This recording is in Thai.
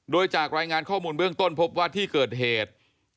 โดยจากรายงานข้อมูลเบื้องต้นพบว่าที่เกิดเหตุ